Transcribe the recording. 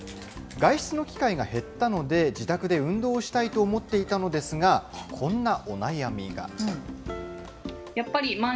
外出の機会が減ったので、自宅で運動したいと思っていたのですが、音ですか。